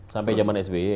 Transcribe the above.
sampai zaman sby